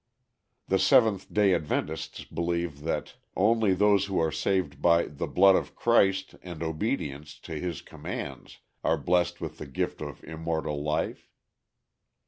The Seventh Day Adventists believe that only those who are saved by "the blood of Christ" and obedience to his commands are blessed with the gift of immortal life.